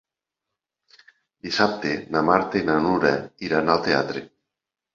Dissabte na Marta i na Nura iran al teatre.